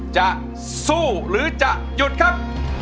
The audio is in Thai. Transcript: จะสู้หรือจะหยุดครับ